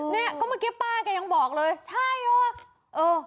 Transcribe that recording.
เนี้ยก็เมื่อกี้ป้าก็ยังบอกเลยใช่ด้ว